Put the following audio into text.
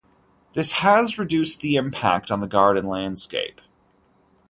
This has reduced the impact on the garden landscape.